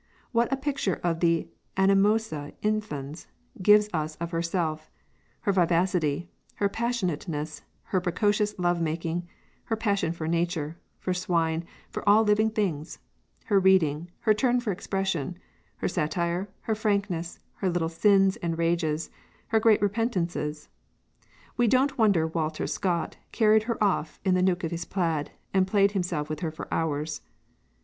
What a picture the animosa infans gives us of herself, her vivacity, her passionateness, her precocious love making, her passion for nature, for swine, for all living things, her reading, her turn for expression, her satire, her frankness, her little sins and rages, her great repentances. We don't wonder Walter Scott carried her off in the neuk of his plaid, and played himself with her for hours....